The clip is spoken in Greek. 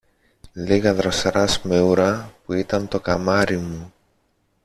λίγα δροσερά σμέουρα, που ήταν το καμάρι μου!